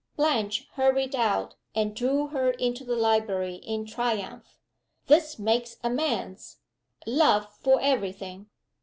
Blanche hurried out, and drew her into the library in triumph. "This makes amends, love for every thing!